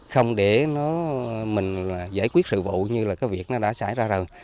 không để nó mình giải quyết sự vụ như là cái việc nó đã xảy ra rừng